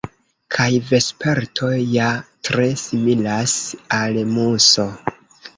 Kaj vesperto ja tre similas al muso.